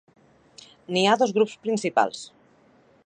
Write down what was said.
N'hi ha dos grups principals.